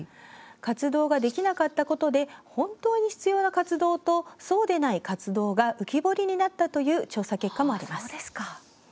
活動ができなかったことで本当に必要な活動とそうでない活動が浮き彫りになったという調査結果もあります。